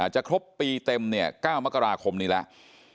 จะครบปีเต็ม๙มกราคมนี้แล้ว